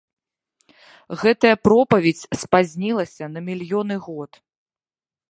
Гэтая пропаведзь спазнілася на мільёны год.